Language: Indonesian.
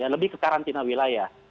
lebih ke karantina wilayah